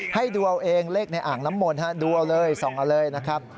ให้ดูเอาเองเลขในอ่างน้ำมนต์ดูเอาเลยส่องเอาเลยนะครับ